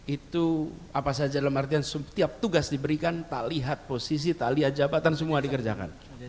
itu apa saja dalam artian setiap tugas diberikan tak lihat posisi taliah jabatan semua dikerjakan